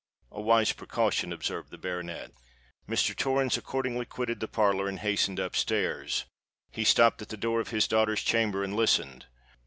"A wise precaution," observed the baronet. Mr. Torrens accordingly quitted the parlour, and hastened up stairs. He stopped at the door of his daughter's chamber, and listened.